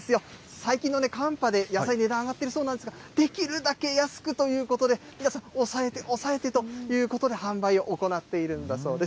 最近の寒波で野菜、値段上がっているそうなんですが、できるだけ安くということで、抑えて抑えてということで、販売を行っているんだそうです。